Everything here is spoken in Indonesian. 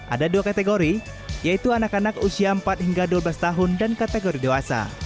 ada dua kategori yaitu anak anak usia empat hingga dua belas tahun dan kategori dewasa